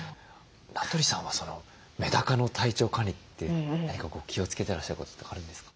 名取さんはメダカの体調管理って何か気をつけてらっしゃることとかあるんですか？